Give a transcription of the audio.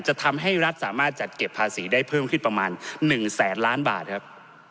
จะทำให้รัฐสามารถจัดเก็บภาษีได้เพิ่มขึ้นประมาณ๑แสนล้านบาทครับ